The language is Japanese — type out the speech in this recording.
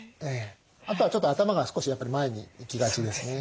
あとはちょっと頭が少しやっぱり前にいきがちですね。